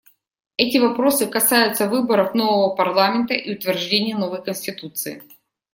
Эти вопросы касаются выборов нового парламента и утверждения новой конституции.